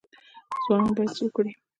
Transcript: ځوانان باید څه وکړي؟